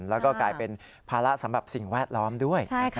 แล้วก็กลายเป็นภาระสำหรับสิ่งแวดล้อมด้วย